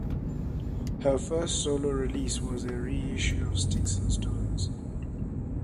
His first solo release was a reissue of "Sticks and Stones".